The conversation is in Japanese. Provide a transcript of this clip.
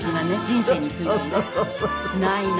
人生についてね。